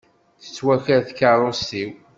Tettwaker tkeṛṛust-iw.